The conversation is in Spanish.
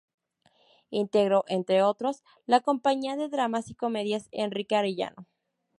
Integró, entre otros, la Compañía de Dramas y Comedias Enrique Arellano.